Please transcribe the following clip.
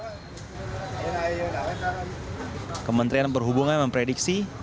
kemudian kementerian perhubungan memprediksi